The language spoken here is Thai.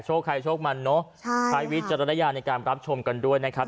ใครโชคมันเนอะใช้วิจารณญาณในการรับชมกันด้วยนะครับ